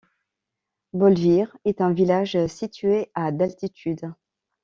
Bolvir est un village situé à d'altitude.